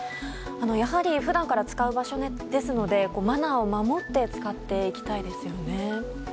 やはり普段から使う場所ですのでマナーを守って使っていきたいですよね。